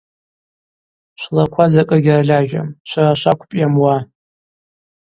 Швлаква закӏы гьырльажьам – швара швакӏвпӏ йамуа.